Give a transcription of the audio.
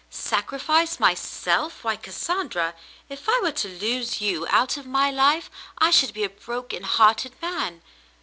Sacrifice myself ? Why, Cassandra, if I were to lose you out of my life, I should be a broken hearted man.